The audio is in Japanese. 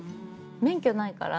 免許ないから。